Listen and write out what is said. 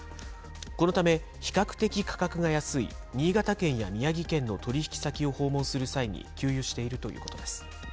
このため、比較的価格が安い新潟県や宮城県の取り引き先を訪問する際に給油しているということです。